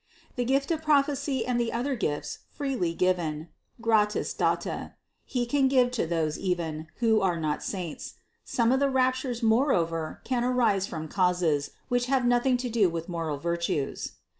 The gift of prophecy and the other gifts freely given (gratis data) He can give to those even, who are not saints; some of the raptures moreover can arise from causes, which have nothing to do with moral virtues.